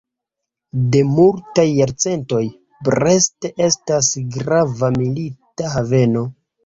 De multaj jarcentoj, Brest estas grava milita haveno.